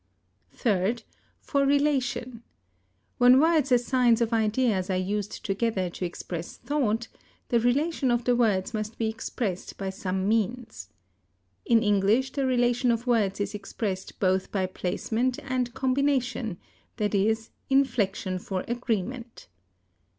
Third, for relation. When words as signs of ideas are used together to express thought, the relation of the words must be expressed by some means. In English the relation of words is expressed both by placement and combination, i.e., inflection for agreement.